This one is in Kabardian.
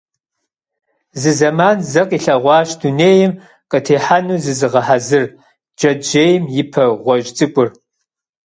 Зы зэман зэ къилъэгъуащ дунейм къытехьэну зызыгъэхьэзыр джэджьейм и пэ гъуэжь цӀыкӀур.